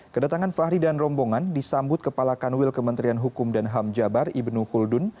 kedatangan fahri dan rombongan disambut kepala kanwil kementerian hukum dan ham jabar ibnul huldun